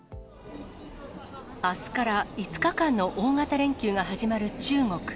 あすから５日間の大型連休が始まる中国。